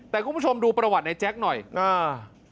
แต่คุณผู้ชมดูประวัติในแจ๊คหน่อยอ่า